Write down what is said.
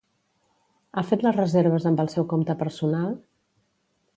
Ha fet les reserves amb el seu compte personal?